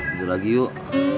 itu lagi yuk